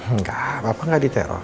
enggak papa enggak diteror